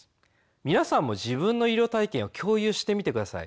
みなさんも自分の医療体験を共有してみてください。